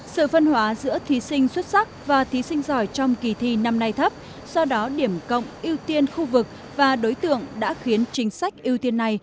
sự phân hóa giữa thí sinh xuất sắc và thí sinh giỏi trong kỳ thi năm nay thấp do đó điểm cộng ưu tiên khu vực và đối tượng đã khiến chính sách ưu tiên này